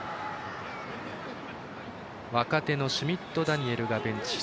若手のシュミットダニエルがベンチ。